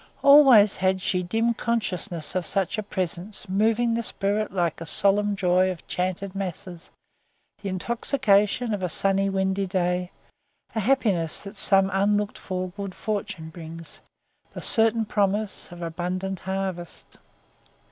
Always had she dim consciousness of such a presence moving the spirit like the solemn joy of chanted masses, the intoxication of a sunny windy day, the happiness that some unlooked for good fortune brings, the certain promise of abundant harvest